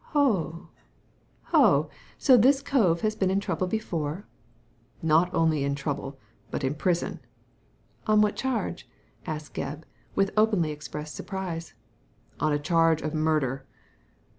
"Ho.! Hoi So this cove has been in trouble before?" " Not only in trouble, but in prison." "On what charge?" asked Gebb, with openly expressed surprise. " On a charge of murder